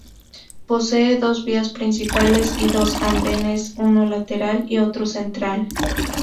Posee dos vías principales y dos andenes, uno lateral y otro central.